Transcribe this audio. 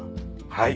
はい。